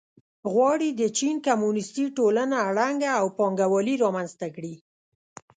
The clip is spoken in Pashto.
غواړي د چین کمونېستي ټولنه ړنګه او پانګوالي رامنځته کړي.